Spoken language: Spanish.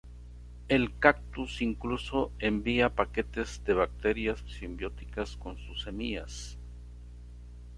El cactus incluso envía paquetes de bacterias simbióticas con sus semillas.